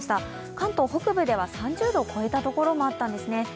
関東北部では３０度を超えたところもあったんですね。